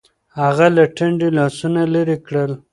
هغه له ټنډې لاسونه لرې کړل. .